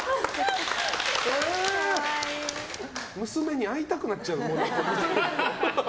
娘に会いたくなっちゃう。